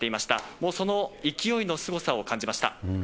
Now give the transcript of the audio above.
もうその勢いのすごさを感じまし